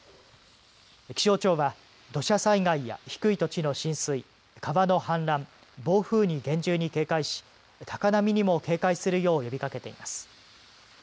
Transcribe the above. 気象庁は土砂災害や低い土地の浸水川の氾濫、暴風に厳重に警戒し高波にも警戒するよう呼びかけています。